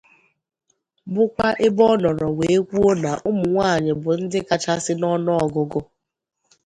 bụkwa ebe ọ nọrọ wee kwuo na ụmụnwaanyị bụ ndị kachasị n'ọnụọgụgụ